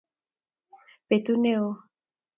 Betut ne oo